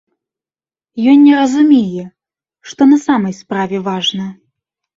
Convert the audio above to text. Ён не разумее, што на самай справе важна.